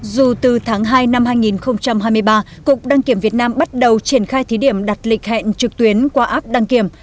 dù từ tháng hai năm hai nghìn hai mươi ba cục đăng kiểm việt nam bắt đầu triển khai thí điểm đặt lịch hẹn trực tuyến qua app đăng kiểm